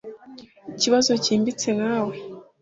Ikibazo cyimbitse nka we